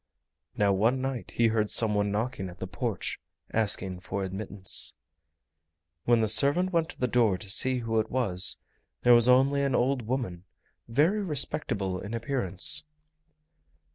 Now one night he heard some one knocking at the porch, asking for admittance. When the servant went to the door to see who it was, there was only an old woman, very respectable in appearance.